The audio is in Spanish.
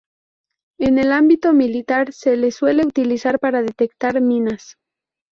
En el ámbito militar se lo suele utilizar para detectar minas.